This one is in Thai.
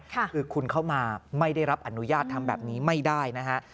คือคุณเข้ามาไม่ได้รับอนุญาตทำแบบนี้ไม่ได้นะฮะ